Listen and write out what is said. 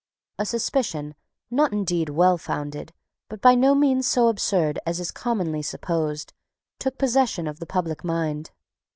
A suspicion, not indeed well founded, but by no means so absurd as is commonly supposed, took possession of the public mind.